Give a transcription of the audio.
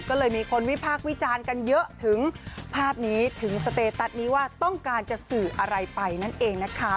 ก็เลยมีคนวิพากษ์วิจารณ์กันเยอะถึงภาพนี้ถึงสเตตัสนี้ว่าต้องการจะสื่ออะไรไปนั่นเองนะคะ